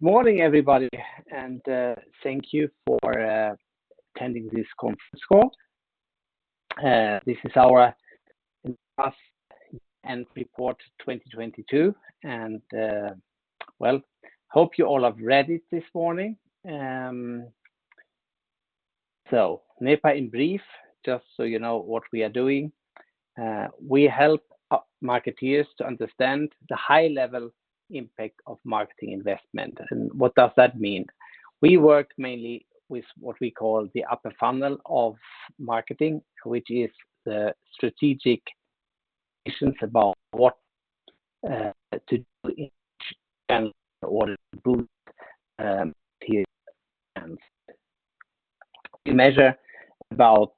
Good morning, everybody, thank you for attending this conference call. This is our Annual Report 2022, well, hope you all have read it this morning. Nepa in brief, just so you know what we are doing. We help marketers to understand the high-level impact of marketing investment. What does that mean? We work mainly with what we call the upper funnel of marketing, which is the strategic decisions about what to do and we measure about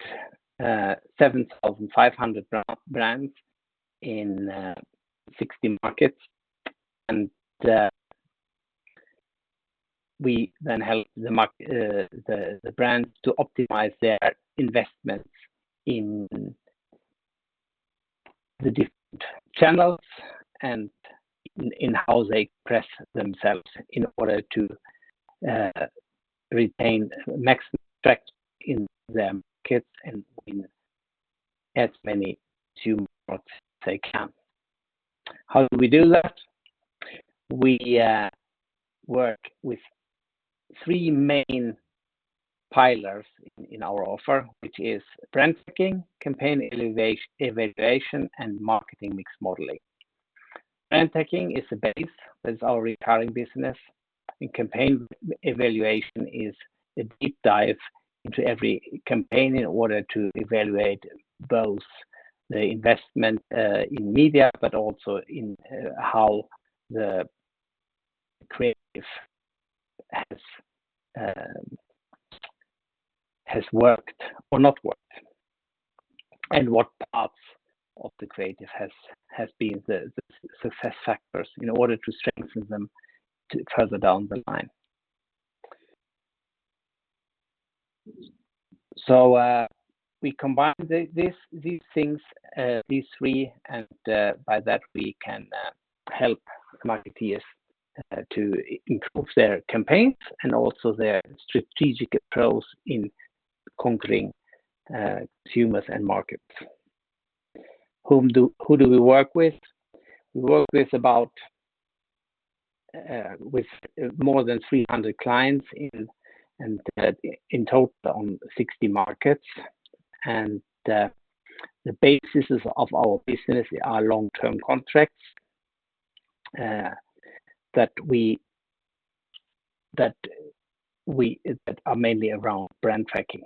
7,500 brands in 60 markets. We then help the brands to optimize their investments in the different channels and in how they express themselves in order to retain maximum effect in their KPIs and in as many consumers they can. How do we do that? We work with three main pillars in our offer, which is Brand Tracking, Campaign Evaluation, and Marketing Mix Modelling. Brand Tracking is the base. That's our recurring business. Campaign Evaluation is a deep dive into every campaign in order to evaluate both the investment in media, but also in how the creative has worked or not worked, and what parts of the creative has been the success factors in order to strengthen them to further down the line. We combine these things, these three, by that we can help marketeers to improve their campaigns and also their strategic approach in conquering consumers and markets. Who do we work with? We work with about with more than 300 clients in, and in total on 60 markets. The basis of our business are long-term contracts that are mainly around Brand Tracking.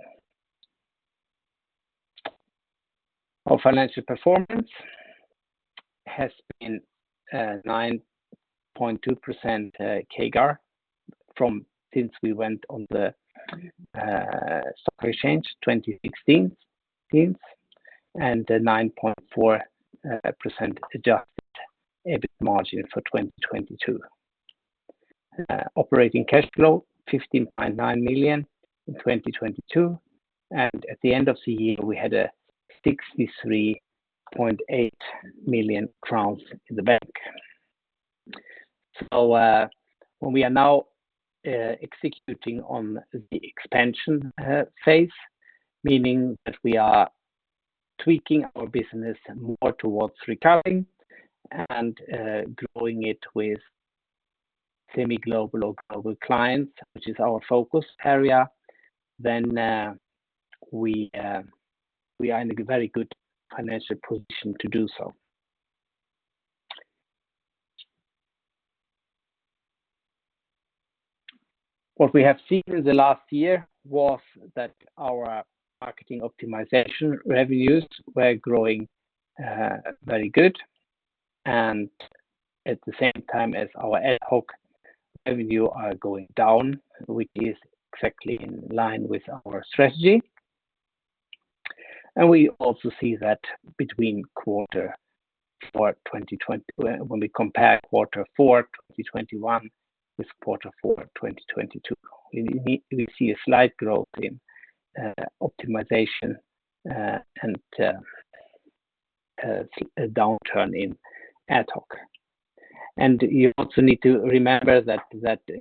Our financial performance has been 9.2% CAGR from since we went on the stock exchange 2016 since, and a 9.4% adjusted EBIT margin for 2022. Operating cash flow, 15.9 million in 2022, and at the end of the year, we had 63.8 million crowns in the bank. When we are now executing on the expansion phase, meaning that we are tweaking our business more towards recurring and growing it with semi-global or global clients, which is our focus area, we are in a very good financial position to do so. What we have seen in the last year was that our marketing optimization revenues were growing very good, and at the same time as our ad hoc revenue are going down, which is exactly in line with our strategy. We also see that when we compare quarter 4 2021 with quarter 4 2022, we see a slight growth in optimization and a downturn in ad hoc. You also need to remember that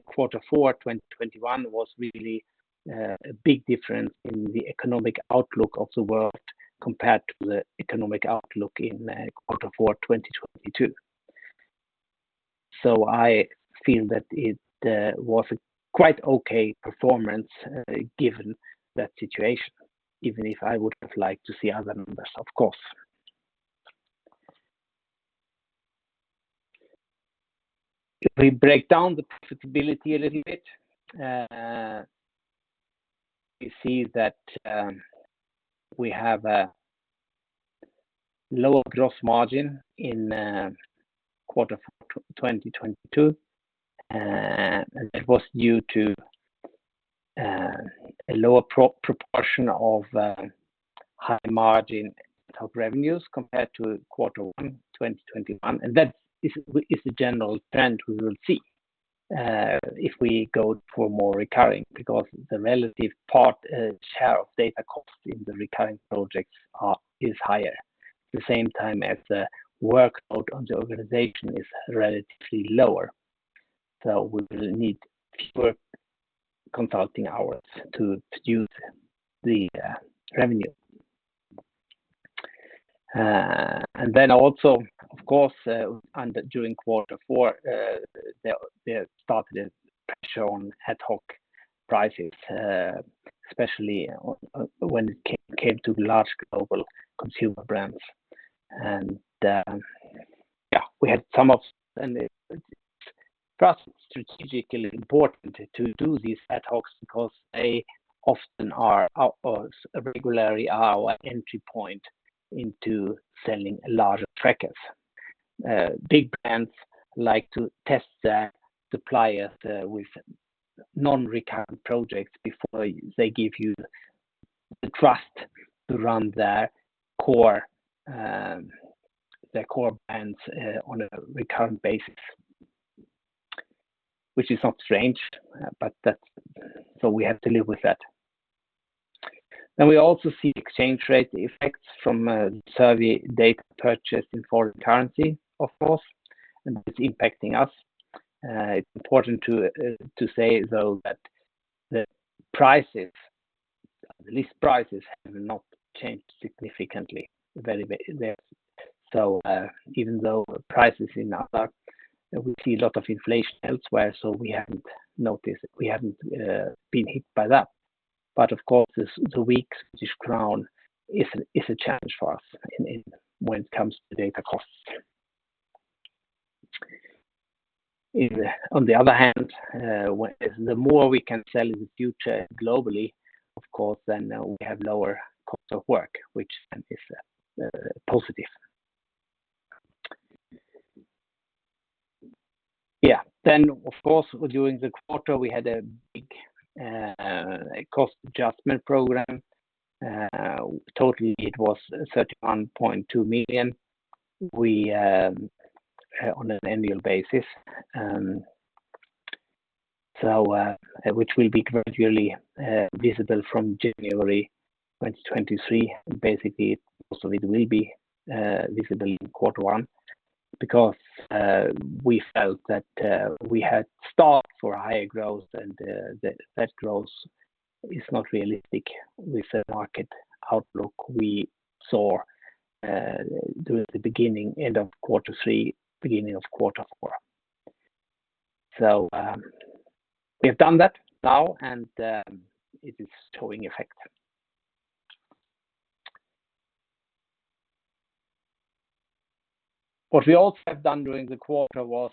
quarter 4 2021 was really a big difference in the economic outlook of the world compared to the economic outlook in quarter 4 2022. I feel that it was a quite okay performance given that situation, even if I would have liked to see other numbers, of course. If we break down the profitability a little bit, we see that we have a lower gross margin in quarter four 2022. It was due to a lower proportion of high margin ad hoc revenues compared to quarter one 2021. That is the general trend we will see if we go for more recurring, because the relative part share of data cost in the recurring projects is higher, the same time as the workload on the organization is relatively lower. We will need fewer consulting hours to use the revenue. Then also of course, during quarter four, there started pressure on ad hoc prices, especially when it came to the large global consumer brands. For us, strategically important to do these ad hoc because they often are our, or regularly are our entry point into selling larger trackers. Big brands like to test their suppliers with non-recurring projects before they give you the trust to run their core brands on a recurring basis, which is not strange. We have to live with that. We also see exchange rate effects from survey data purchased in foreign currency, of course, and it's impacting us. It's important to say though that the prices, the list prices have not changed significantly. Even though prices in our back, we see a lot of inflation elsewhere, so we haven't noticed, we haven't been hit by that. Of course, the weak Swedish crown is a challenge for us in when it comes to data costs. On the other hand, the more we can sell in the future globally, of course, then we have lower cost of work, which then is positive. Yeah. Of course, during the quarter, we had a big a cost adjustment program. Totally it was 31.2 million. We on an annual basis, which will be gradually visible from January 2023, basically. Also, it will be visible in quarter one because we felt that we had staffed for higher growth and that growth is not realistic with the market outlook we saw during the beginning, end of quarter three, beginning of quarter four. We've done that now and it is showing effect. What we also have done during the quarter was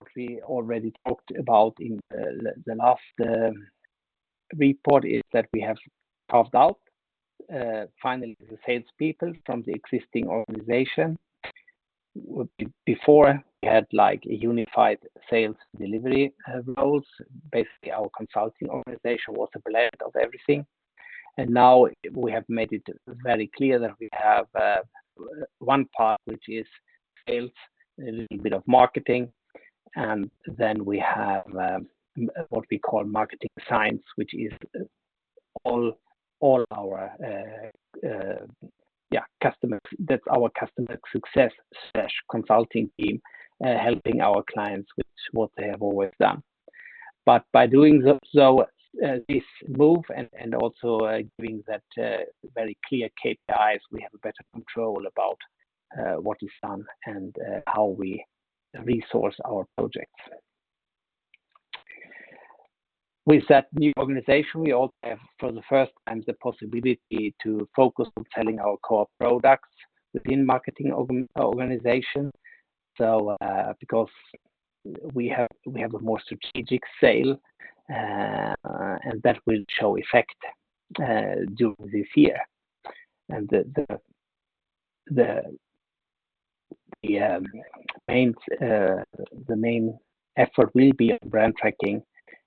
what we already talked about in the last report, is that we have carved out finally the salespeople from the existing organization. Before we had like a unified sales delivery roles. Basically, our consulting organization was a blend of everything. Now we have made it very clear that we have one part which is sales, a little bit of marketing, and then we have what we call marketing science, which is all our That's our customer success/consulting team, helping our clients, which is what they have always done. By doing so, this move and doing that very clear KPIs, we have a better control about what is done and how we resource our projects. With that new organization, we also have for the first time the possibility to focus on selling our core products within marketing organization. Because we have a more strategic sale, and that will show effect during this year. The main effort will be on Brand Tracking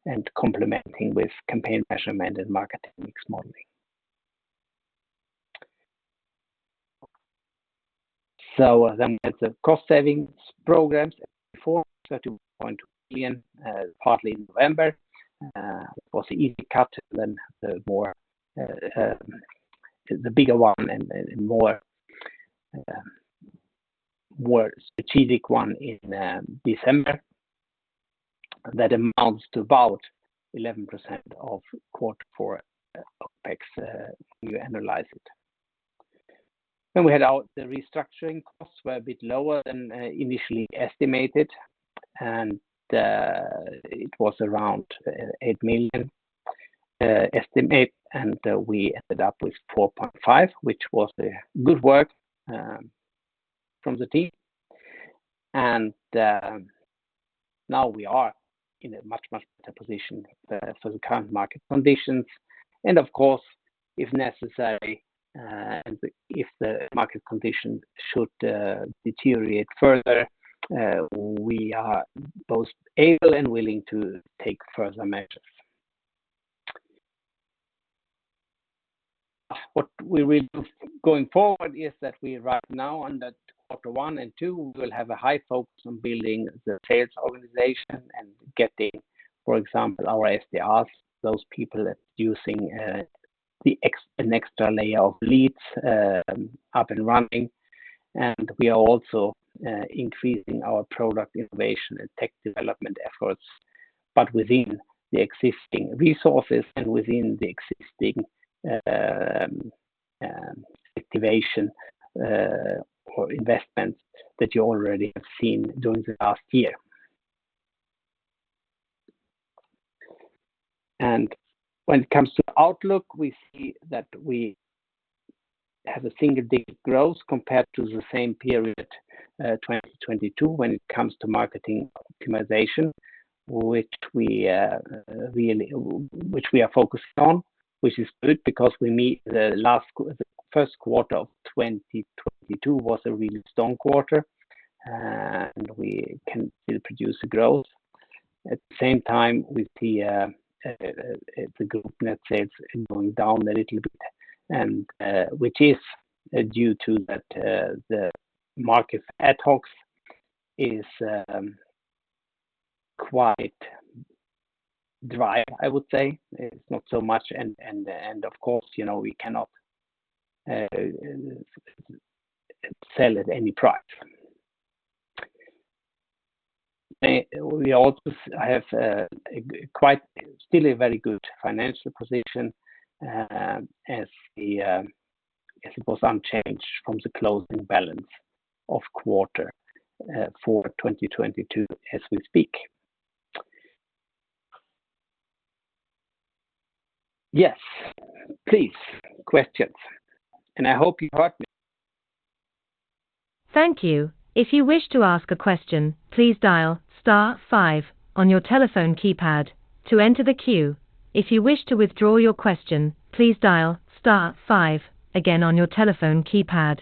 and complementing with campaign measurement and Marketing Mix Modelling. With the cost savings programs before, 31.2 million, partly in November, was the easy cut, then the more the bigger one and more strategic one in December. That amounts to about 11% of quarter four CapEx, when you analyze it. We had our, the restructuring costs were a bit lower than initially estimated, and it was around 8 million estimate, and we ended up with 4.5 million, which was the good work from the team. Now we are in a much, much better position for the current market conditions. Of course, if necessary, if the market condition should deteriorate further, we are both able and willing to take further measures. What we will do going forward is that we right now under quarter one and two will have a high focus on building the sales organization and get the, for example, our SDRs, those people that are using an extra layer of leads, up and running. We are also increasing our product innovation and tech development efforts, but within the existing resources and within the existing activation or investments that you already have seen during the last year. When it comes to outlook, we see that we have a single-digit growth compared to the same period, 2022 when it comes to marketing optimization, which we are focused on, which is good because we meet the first quarter of 2022 was a really strong quarter, and we can still produce growth. At the same time, we see the group net sales going down a little bit and which is due to that the market ad hoc is quite dry, I would say. It's not so much and of course, you know, we cannot sell at any price. We also have quite still a very good financial position, as the, I suppose, unchanged from the closing balance of quarter four 2022 as we speak. Yes, please, questions. I hope you heard me. Thank you. If you wish to ask a question, please dial star five on your telephone keypad to enter the queue. If you wish to withdraw your question, please dial star five again on your telephone keypad.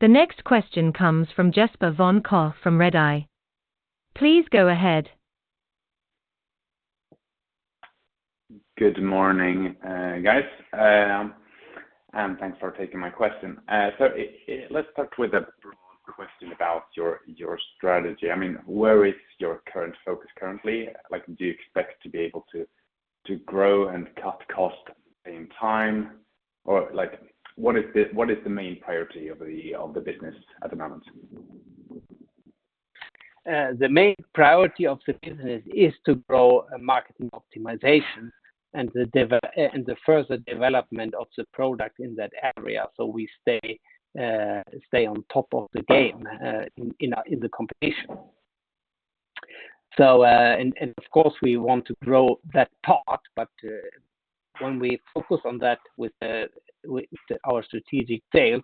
The next question comes from Jesper von Koch from Redeye. Please go ahead. Good morning, guys, thanks for taking my question. Let's start with a broad question about your strategy. I mean, where is your current focus currently? Like, do you expect to be able to grow and cut costs at the same time? Like, what is the main priority of the business at the moment? The main priority of the business is to grow marketing optimization and the further development of the product in that area, so we stay on top of the game in the competition. And, of course, we want to grow that part, but when we focus on that with our strategic sales,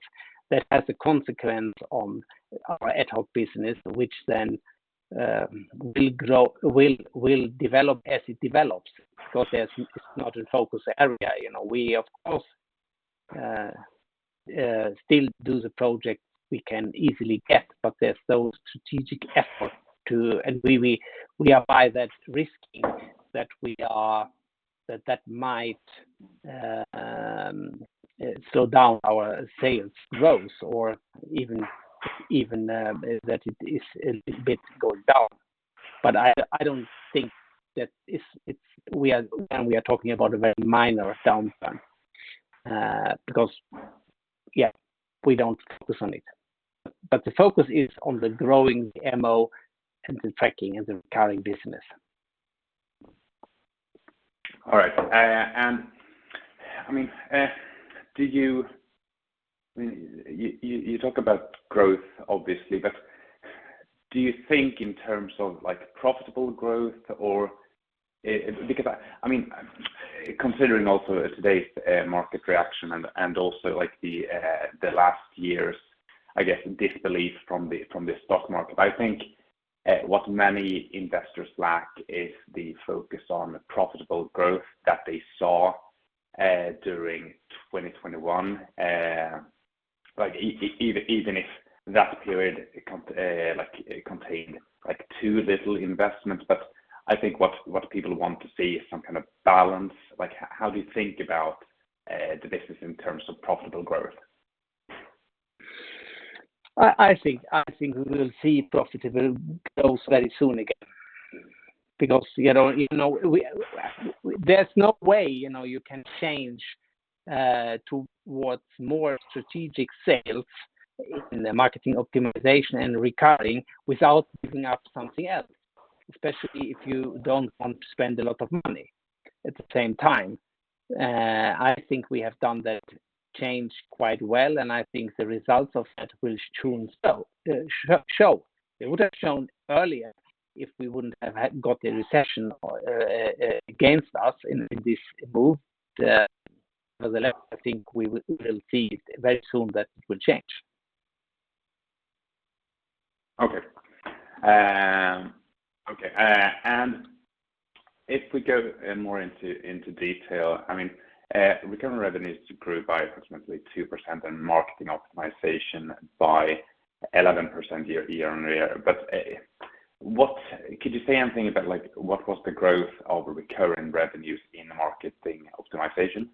that has a consequence on our ad hoc business, which then will develop as it develops. Of course, that's not a focus area. You know, we of course still do the projects we can easily get, but there's those strategic efforts to. And we are by that risking that might slow down our sales growth or even that it is a little bit going down. I don't think that we are talking about a very minor downturn, because, yeah, we don't focus on it. The focus is on the growing the MO and the tracking and the recurring business. All right. I mean, you talk about growth obviously, but do you think in terms of like profitable growth? Because I mean, considering also today's market reaction and also like the last year's, I guess, disbelief from the stock market. I think what many investors lack is the focus on profitable growth that they saw during 2021. Like even if that period contained like too little investment. I think what people want to see is some kind of balance. Like, how do you think about the business in terms of profitable growth? I think we will see profitable growth very soon again because, you know, there's no way, you know, you can change towards more strategic sales in the marketing optimization and recurring without giving up something else, especially if you don't want to spend a lot of money at the same time. I think we have done that change quite well, and I think the results of that will soon show. It would have shown earlier if we wouldn't have had got the recession against us in this move. Nevertheless, I think we will see very soon that it will change. Okay. Okay. If we go more into detail. I mean, recurring revenues grew by approximately 2%, and marketing optimization by 11% year-on-year. What Could you say anything about, like, what was the growth of the recurring revenues in marketing optimization?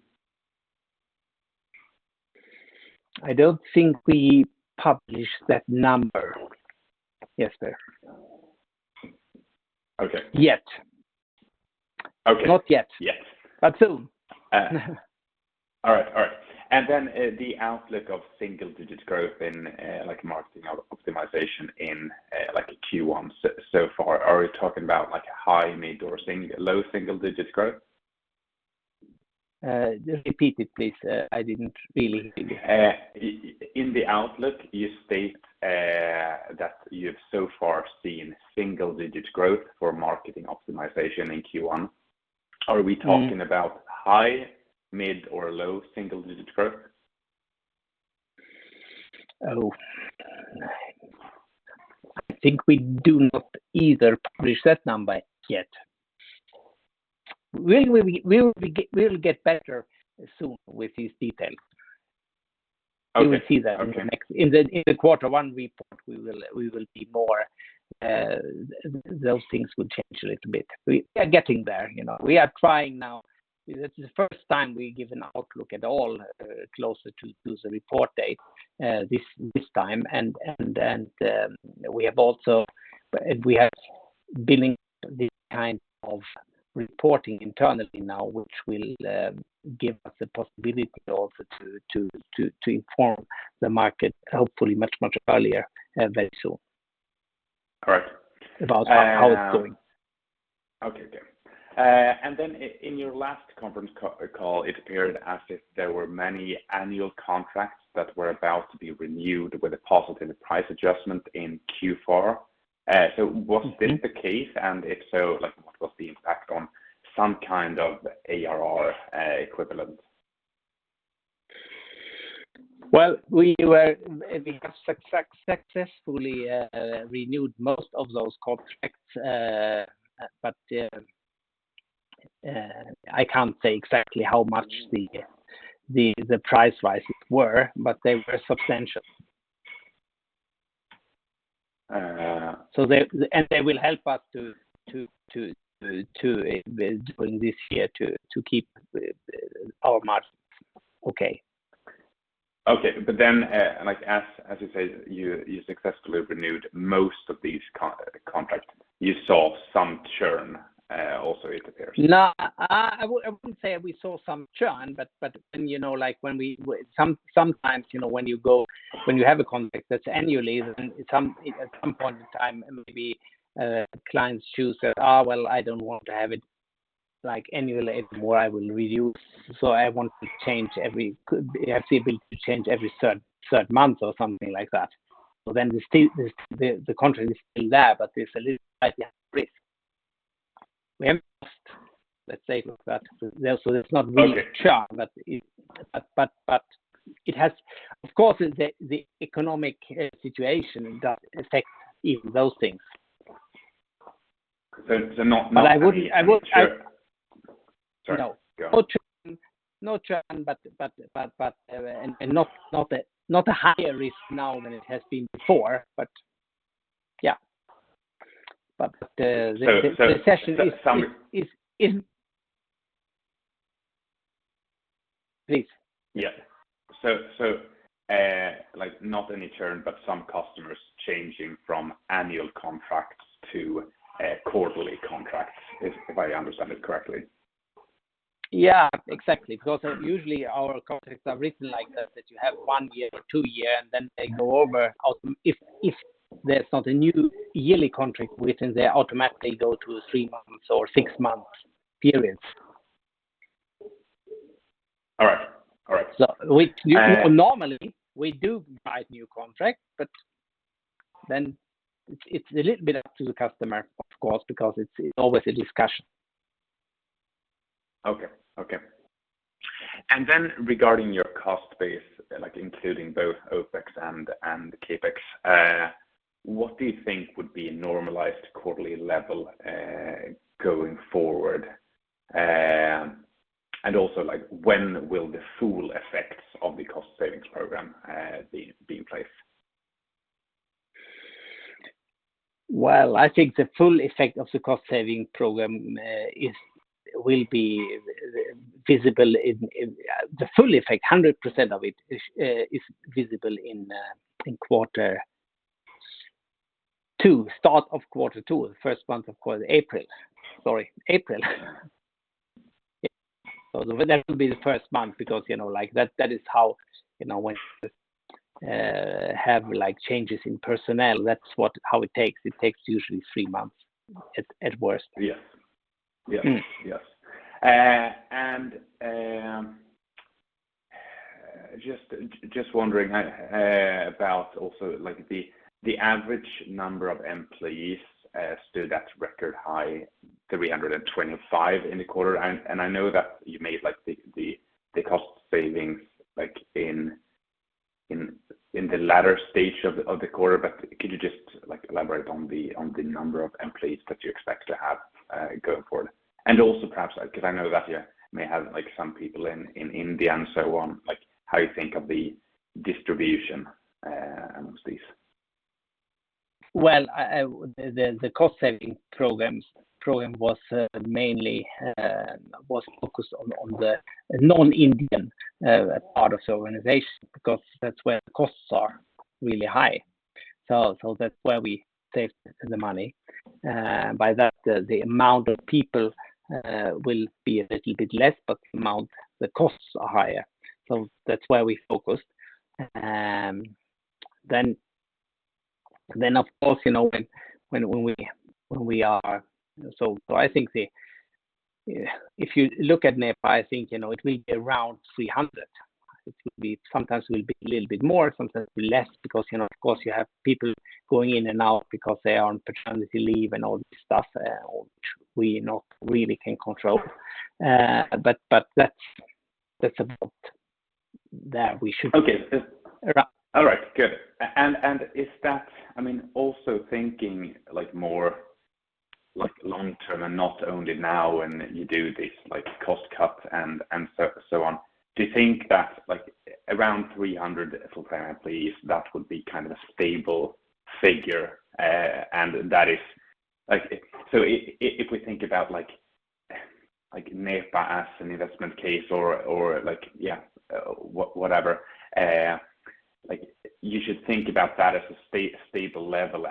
I don't think we published that number, Jesper. Okay. Yet. Okay. Not yet. Yet. Soon. All right. All right. The outlook of single-digit growth in, like, marketing optimization in, like, Q1 so far, are we talking about, like, a high, mid, or low single-digit growth? Just repeat it, please. I didn't really hear you. In the outlook, you state that you've so far seen single-digit growth for marketing optimization in Q1. Mm-hmm. Are we talking about high, mid, or low single-digit growth? I think we do not either publish that number yet. We'll get better soon with these details. Okay. You will see. Okay In the quarter one report, we will see more, those things will change a little bit. We are getting there, you know. We are trying now. This is the first time we give an outlook at all, closer to the report date, this time. We have billing this kind of reporting internally now, which will give us the possibility also to inform the market, hopefully much, much earlier, very soon. All right. about how it's going. Okay. In your last conference call, it appeared as if there were many annual contracts that were about to be renewed with a positive price adjustment in Q4. Mm-hmm ...this the case? If so, like, what was the impact on some kind of ARR equivalent? Well, we have successfully renewed most of those contracts. I can't say exactly how much the price rises were, but they were substantial. Uh- They will help us to during this year to keep our margin okay. Okay. like, as you say, you successfully renewed most of these contracts. You saw some churn, also, it appears. No. I wouldn't say we saw some churn, but then, you know, like, sometimes, you know, when you have a contract that's annually, then at some point in time, maybe, clients choose that, "Oh, well, I don't want to have it, like, annually anymore. I will review. So I want to change every I have the ability to change every third month," or something like that. The contract is still there, but there's a little idea risk. We have lost, let's say, that. There's. Okay ...really churn. It has, of course, the economic situation does affect even those things. not really- I would- Churn. Go on. No. No churn, but, and, not a higher risk now than it has been before. Yeah. So, so some- the session is... Please. Yeah. like, not any churn, but some customers changing from annual contracts to, quarterly contracts, if I understand it correctly. Yeah, exactly. Usually our contracts are written like that you have one year to two year, and then they go over If there's not a new yearly contract within there, automatically go to three months or six months periods. All right. All right. So we- And- Normally, we do write new contract, but then it's a little bit up to the customer, of course, because it's always a discussion. Okay. Okay. Then regarding your cost base, like, including both OpEx and CapEx, what do you think would be a normalized quarterly level going forward? Also, like, when will the full effects of the cost savings program be in place? Well, I think the full effect of the cost saving program, will be visible in. The full effect, 100% of it is visible in quarter two, start of quarter two, the first month of quarter, April. Sorry, April. Yeah. That will be the first month because, you know, like, that is how, you know, when you have, like, changes in personnel, that's how it takes. It takes usually three months at worst. Yes. Yes. Mm-hmm. Yes. Just, just wondering about also, like, the average number of employees stood at record high 325 in the quarter. I know that you made, like, the cost savings, like, in the latter stage of the quarter, but could you just elaborate on the number of employees that you expect to have going forward? Also perhaps, like, because I know that you may have, like, some people in India and so on, like how you think of the distribution amongst these? The cost-saving program was mainly focused on the non-Indian part of the organization, because that's where the costs are really high. That's where we saved the money. By that, the amount of people will be a little bit less, but the costs are higher. That's where we focused. Of course, you know, I think, if you look at Nepa, I think, you know, it'll be around 300. Sometimes will be a little bit more, sometimes less because, you know, of course you have people going in and out because they are on paternity leave and all this stuff, which we not really can control. That's about there. We should be- Okay. Around. All right. Good. I mean, also thinking like more like long-term and not only now, and you do this like cost cut and so on. Do you think that like around 300 full-time employees, that would be kind of a stable figure? That is like if we think about like Nepa as an investment case or like, yeah, whatever, like you should think about that as a stable level,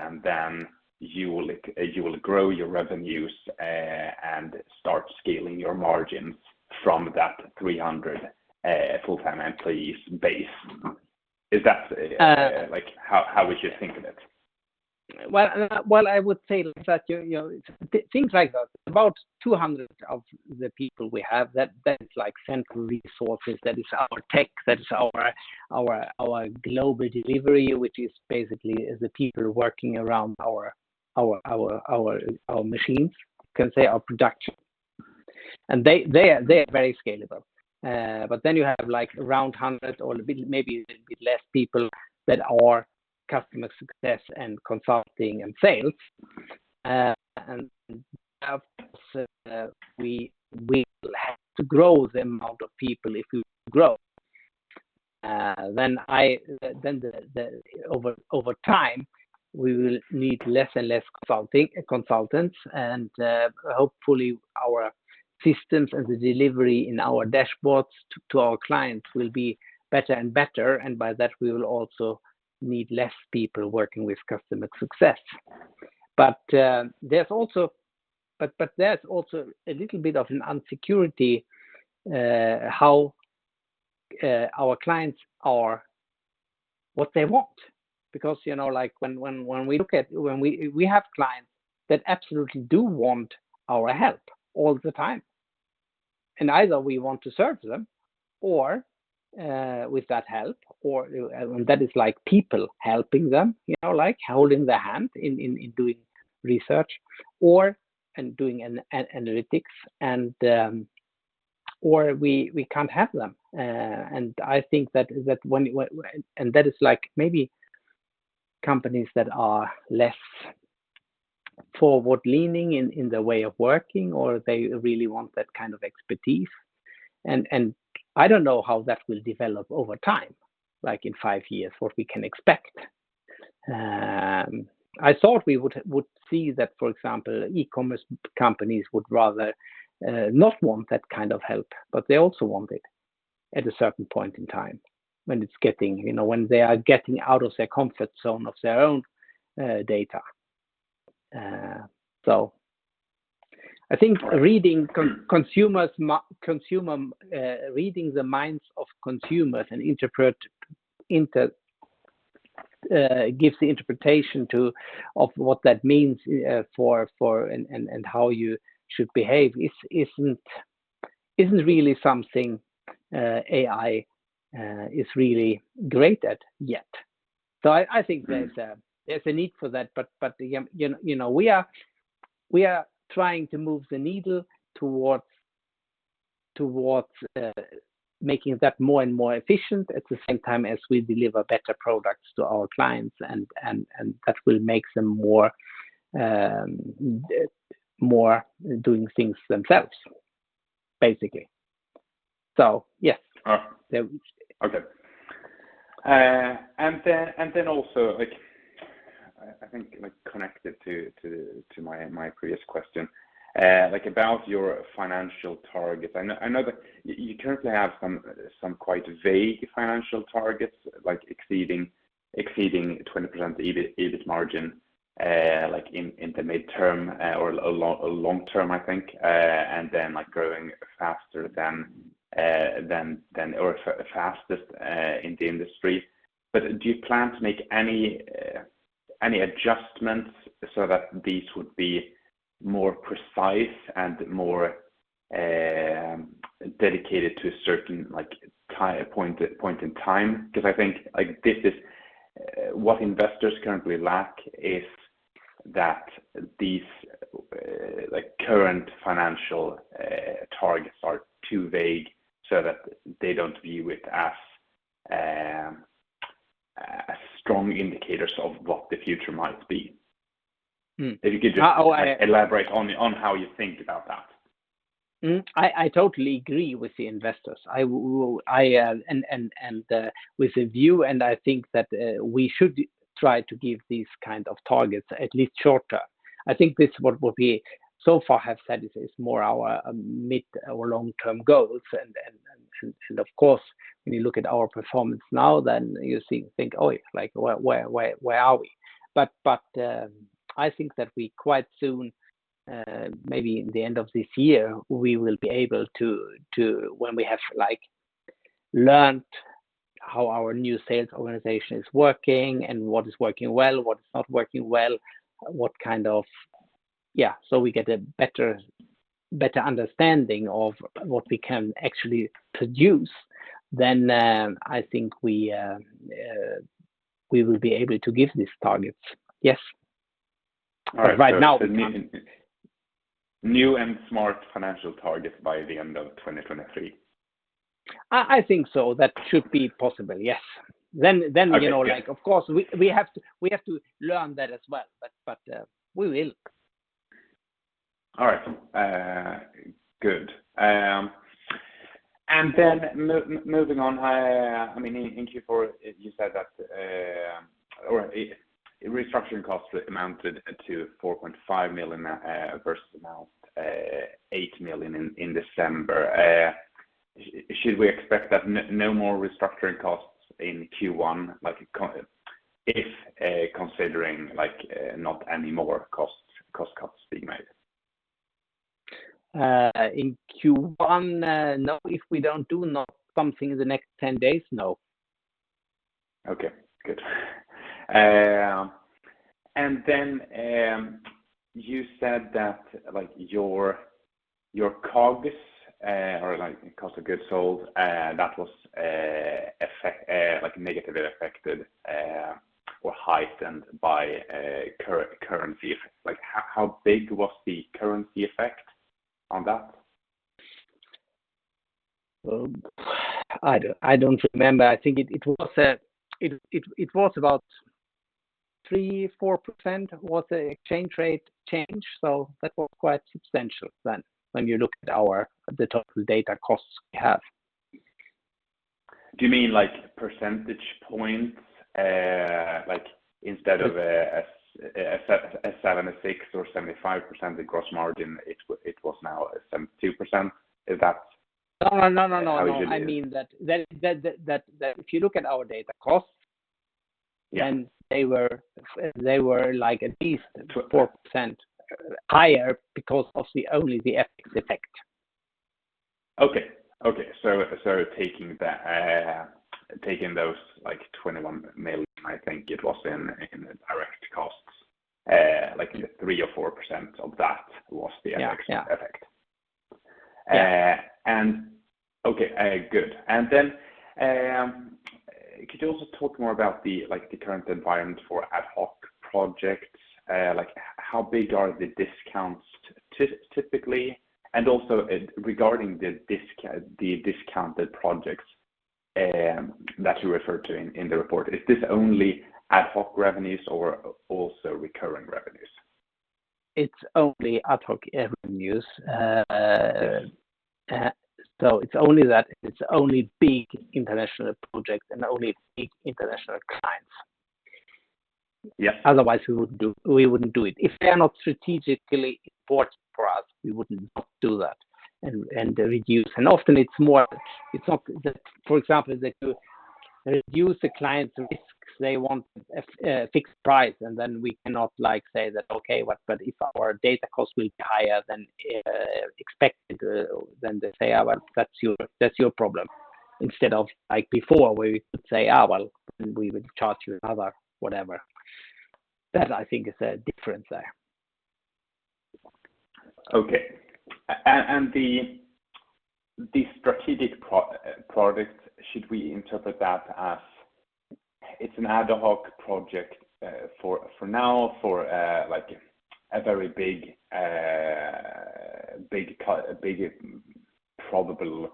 you will, you will grow your revenues and start scaling your margins from that 300 full-time employees base. Is that, like how would you think of it? Well, I would say that, you know, things like that, about 200 of the people we have, that's like central resources. That is our tech, that is our global delivery, which is basically the people working around our machines. You can say our production. They're very scalable. You have like around 100 or a bit, maybe a little bit less people that are customer success and consulting and sales. Of course, we will have to grow the amount of people if we grow. Then over time, we will need less and less consultants and hopefully our systems and the delivery in our dashboards to our clients will be better and better. By that, we will also need less people working with customer success. There's also, but there's also a little bit of an insecurity, how our clients are, what they want because, you know, like when we have clients that absolutely do want our help all the time, and either we want to serve them or, with that help or, and that is like people helping them, you know, like holding their hand in doing research or, and doing analytics and, or we can't have them. I think that when and that is like maybe companies that are less forward leaning in their way of working or they really want that kind of expertise and I don't know how that will develop over time, like in five years, what we can expect. I thought we would see that, for example, e-commerce companies would rather not want that kind of help, but they also want it at a certain point in time when it's getting, you know, when they are getting out of their comfort zone of their own data. I think reading the minds of consumers and gives the interpretation to, of what that means for and how you should behave isn't really something AI is really great at yet. I think there's a need for that, but, you know, we are trying to move the needle towards making that more and more efficient at the same time as we deliver better products to our clients and that will make them more doing things themselves basically. Yes. Okay. And then also, I think like connected to my previous question, like about your financial targets. I know that you currently have some quite vague financial targets like exceeding 20% EBIT margin, in the midterm or long-term, I think, and then like growing faster than, or fastest, in the industry. Do you plan to make any adjustments so that these would be more precise and more dedicated to a certain point in time? I think like this is what investors currently lack is that the current financial targets are too vague so that they don't view it as a strong indicators of what the future might be. Mm. If you could just- How I- elaborate on how you think about that. I totally agree with the investors. With a view, and I think that, we should try to give these kind of targets at least shorter. I think this what would be so far have said is more our mid or long-term goals. Should of course, when you look at our performance now, then you see think, "Oh, like, where are we?" I think that we quite soon, maybe the end of this year, we will be able to, when we have, like, learned how our new sales organization is working and what is working well, what is not working well, what kind of. We get a better understanding of what we can actually produce, then, I think we will be able to give these targets. Yes. All right. Right now. Meaning new and smart financial targets by the end of 2023? I think so. That should be possible, yes. You know. Okay. Yes... like, of course we have to learn that as well, but we will. All right. good. Moving on, I mean, thank you for it. You said that, or restructuring costs amounted to 4.5 million versus amount, 8 million in December. Should we expect that no more restructuring costs in Q1, like if considering like, not any more costs, cost cuts being made? In Q1, no. If we don't do not something in the next 10 days, no. Okay, good. You said that like, your COGS, or like cost of goods sold, that was like negatively affected, or heightened by currency. Like how big was the currency effect on that? Well, I don't remember. I think it was about 3%-4% was the exchange rate change, so that was quite substantial then when you look at the total data costs we have. Do you mean like percentage points? Like instead of a 7%, a 6% or 75% the gross margin, it was now a 72%? Is that? No, no, no.... how good it is? I mean that if you look at our data costs- Yeah They were like at least 4% higher because of the only the FX effect. Okay. Okay. Taking that, taking those like 21 million, I think it was in direct costs, like 3% or 4% of that was the FX effect. Yeah, yeah. Yeah. Okay, good. Then, could you also talk more about the, like the current environment for ad hoc projects? Like how big are the discounts typically? Also regarding the discounted projects, that you referred to in the report, is this only ad hoc revenues or also recurring revenues? It's only ad hoc revenues. Okay It's only that. It's only big international projects and only big international clients. Yeah. Otherwise, we wouldn't do it. If they are not strategically important for us, we would not do that and reduce. Often it's more. For example, they do reduce the client's risks. They want a fixed price. We cannot like say that, "Okay, but if our data costs will be higher than expected," then they say, "Well, that's your, that's your problem." Instead of like before where we could say, "Well, we would charge you another whatever." That I think is a difference there. Okay. And the strategic product, should we interpret that as it's an ad hoc project for now for like a very big probable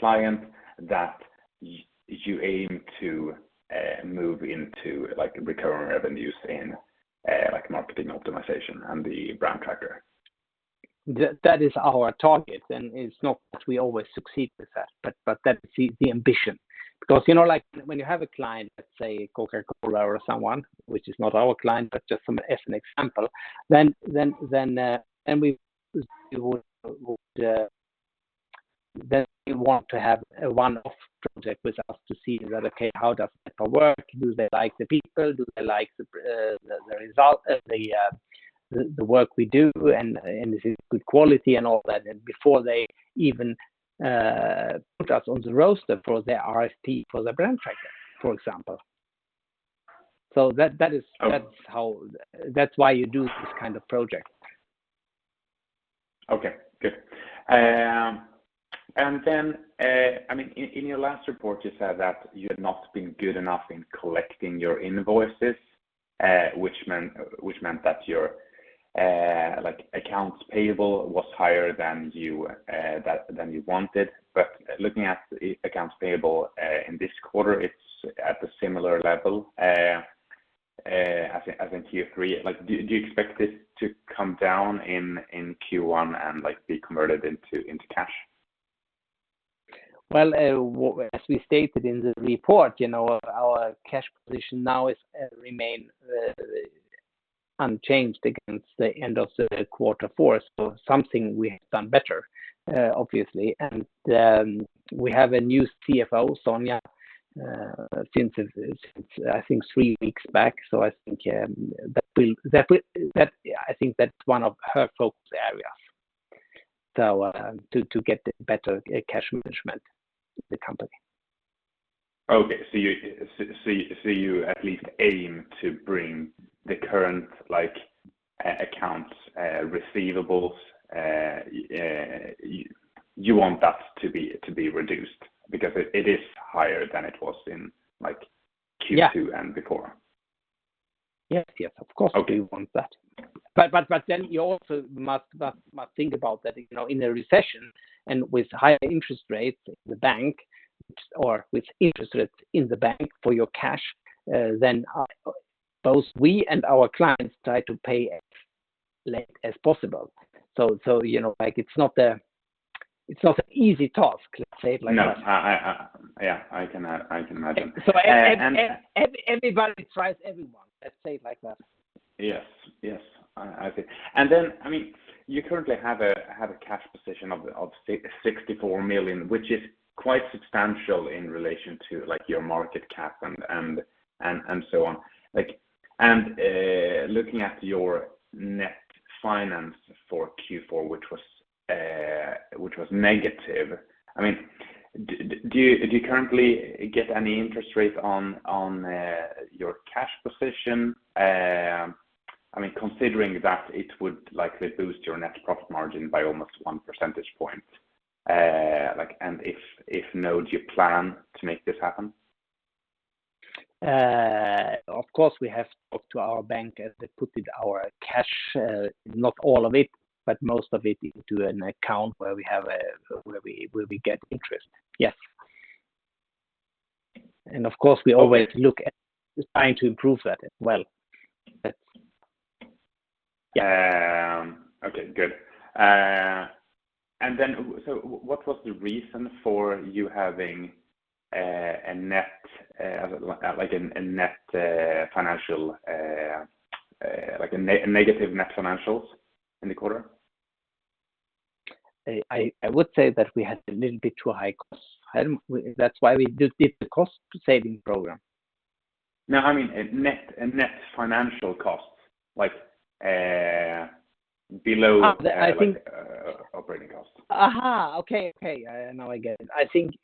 client that you aim to move into like recurring revenues in like marketing optimization and the Brand tracker? That is our target, and it's not that we always succeed with that, but that is the ambition. You know, like when you have a client, let's say Coca-Cola or someone which is not our client, but just from as an example, then we would, then we want to have a one-off project with us to see that, okay, how does it work? Do they like the people? Do they like the result, the work we do and this is good quality and all that, and before they even put us on the roster for their RFP, for the brand tracker, for example. That is. Okay that's how, that's why you do this kind of project. Okay, good. Then, I mean, in your last report, you said that you had not been good enough in collecting your invoices, which meant that your like accounts payable was higher than you than you wanted. Looking at the accounts payable in this quarter, it's at a similar level as in Q3. Like, do you expect this to come down in Q1 and, like, be converted into cash? As we stated in the report, you know, our cash position now is remain unchanged against the end of the quarter four. Something we have done better, obviously. We have a new CFO, Sonja, since I think three weeks back. I think that's one of her focus areas to get better cash management in the company. Okay. You at least aim to bring the current, like, accounts, receivables. You want that to be reduced because it is higher than it was in, like, Q2… Yeah before. Yes. Yes. Of course- Okay. We want that. Then you also must think about that, you know, in a recession and with higher interest rates in the bank or with interest rates in the bank for your cash, then both we and our clients try to pay as late as possible. You know, like, it's not an easy task, let's say it like that. No. I. Yeah. I can imagine. Everybody tries everyone, let's say it like that. Yes. Yes. I see. I mean, you currently have a cash position of 64 million, which is quite substantial in relation to, like, your market cap and so on. Looking at your net finance for Q4, which was negative, I mean, do you currently get any interest rate on your cash position? I mean, considering that it would likely boost your net profit margin by almost one percentage point. If no, do you plan to make this happen? Of course, we have talked to our bank as they put it our cash, not all of it, but most of it into an account where we get interest. Yes. Of course, we always look at trying to improve that as well. That's. Okay. Good. What was the reason for you having a net like a net financial like a negative net financials in the quarter? I would say that we had a little bit too high costs. That's why we did the cost-saving program. No, I mean a net financial cost, like, below- Uh, I think- like operating costs. Okay. Now I get it. I think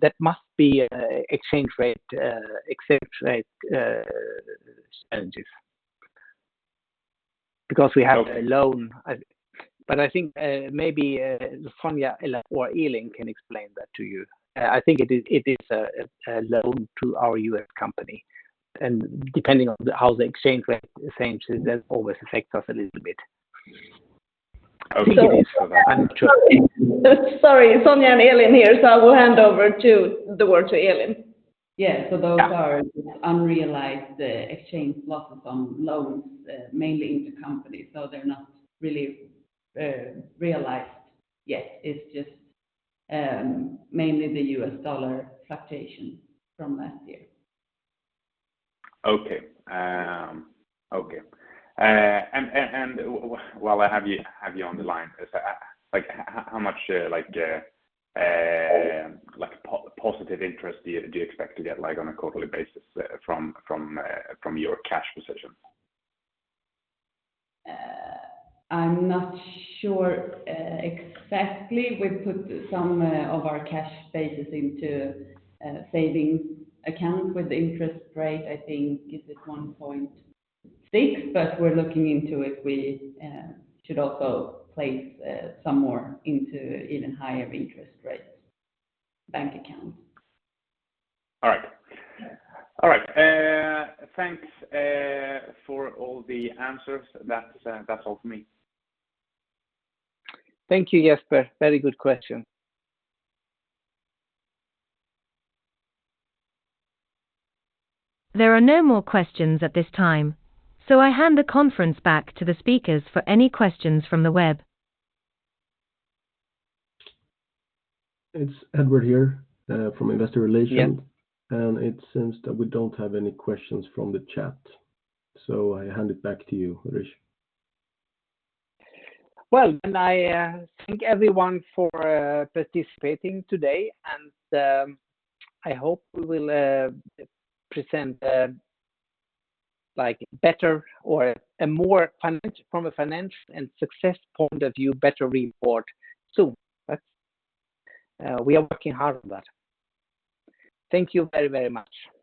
that must be exchange rate challenges. Okay. A loan. I think, maybe, Sonja or Elin can explain that to you. I think it is a loan to our US company. Depending on how the exchange rate changes, that always affects us a little bit. Okay. So I'm sure- Sorry. Sonja and Elin here. I will hand over to the word to Elin. Yeah. Those are unrealized exchange losses on loans, mainly intercompany. They're not really realized yet. It's just, mainly the US dollar fluctuation from last year. Okay. Okay. While I have you on the line, so, like how much, like positive interest do you expect to get like on a quarterly basis from your cash position? I'm not sure, exactly. We put some of our cash bases into savings account with interest rate, I think is at 1.6, but we're looking into if we should also place some more into even higher interest rates bank account. All right. All right. Thanks for all the answers. That's all for me. Thank you, Jesper. Very good question. There are no more questions at this time, so I hand the conference back to the speakers for any questions from the web. It's Edvard here, from Investor Relations. Yeah. It seems that we don't have any questions from the chat, so I hand it back to you, Ulrich. Well, I thank everyone for participating today, and I hope we will present like better or a more financial, from a financial and success point of view, better report soon. We are working hard on that. Thank you very, very much.